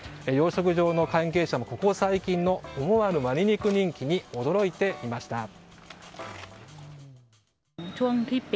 養殖場の関係者もここ最近の思わぬワニ肉人気に驚いていました。